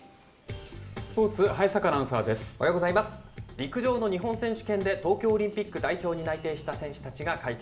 陸上の日本選手権で東京オリンピック代表に内定した選手たちが会見。